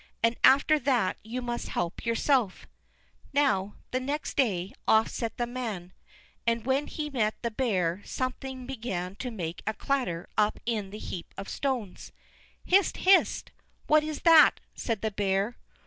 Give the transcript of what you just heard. And after that you must help yourself." Now, next day, off set the man, and when he met the bear something began to make a clatter up in the heap of stones. "Hist, hist! what's that?" said the bear.